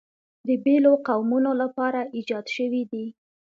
د بېلو قومونو لپاره ایجاد شوي دي.